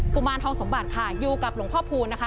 ุมารทองสมบัติค่ะอยู่กับหลวงพ่อพูนนะคะ